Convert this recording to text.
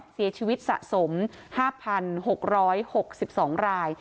เสียชีวิตสะสม๕๖๖๒ราย